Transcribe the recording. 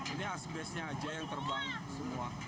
ini asbestnya aja yang terbaik semua